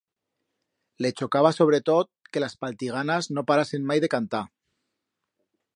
Le chocaba sobretot que las paltiganas no parasen mai de cantar.